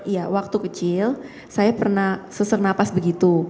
iya waktu kecil saya pernah sesar napas begitu